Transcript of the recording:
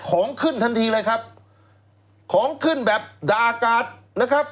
ของขึ้นทันทีเลยครับของขึ้นแบบด่ากาศนะครับ